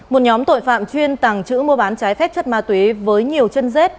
một nhóm tội phạm chuyên tàng chữ mua bán trái phép chất ma túy với nhiều chân rết